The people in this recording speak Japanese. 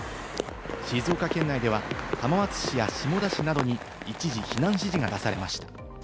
静岡県内では浜松市や下田市などに一時避難指示が出されました。